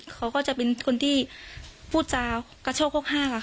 เขาก็จะเป็นคนที่พูดจากกระโชคหกห้าค่ะ